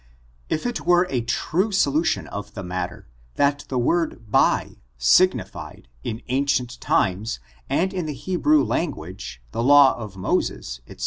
If it were a true solution of the matter that the Avord buy signified, in ancient times, and in the He brew language, the law of Moses, &^c.